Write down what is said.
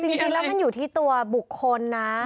จริงแล้วมันอยู่ที่ตัวบุคคลนะ